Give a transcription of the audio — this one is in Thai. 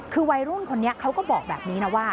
คือวัยรุ่นคนนี้เขาก็บอกแบบนี้นะว่า